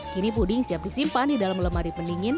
kini puding siap disimpan di dalam lemari pendingin